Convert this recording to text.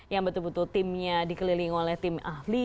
yang betul betul timnya dikelilingi oleh tim ahli